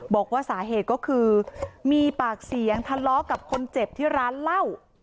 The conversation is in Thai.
บอกว่าสาเหตุก็คือมีปากเสียงทะเลาะกับคนเจ็บที่ร้านเหล้า